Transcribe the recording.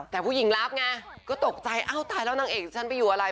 แต่ผู้หญิงรับไงก็ตกใจอ้าวตายแล้วนางเอกฉันไปอยู่อะไร